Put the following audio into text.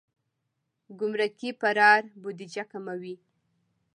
ګمرکي فرار بودیجه کموي.